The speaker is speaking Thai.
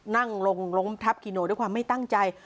นั่งลงล้มทับกิโนด้วยความไม่ตั้งใจ